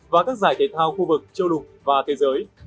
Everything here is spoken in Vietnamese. và các giải thể thao khu vực châu lục và thế giới